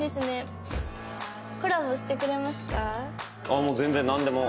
もう全然なんでも。